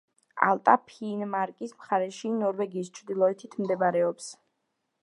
ალტა ფინმარკის მხარეში, ნორვეგიის ჩრდილოეთით მდებარეობს.